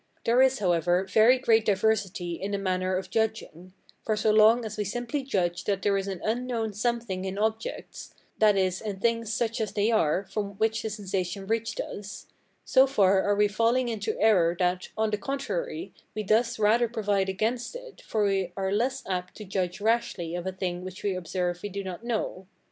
There is, however, very great diversity in the manner of judging: for so long as we simply judge that there is an unknown something in objects (that is, in things such as they are, from which the sensation reached us), so far are we from falling into error that, on the contrary, we thus rather provide against it, for we are less apt to judge rashly of a thing which we observe we do not know.